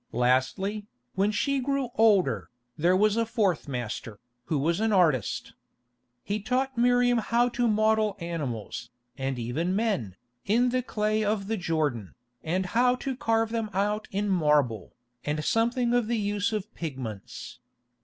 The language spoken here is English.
Lastly, when she grew older, there was a fourth master, who was an artist. He taught Miriam how to model animals, and even men, in the clay of the Jordan, and how to carve them out in marble, and something of the use of pigments.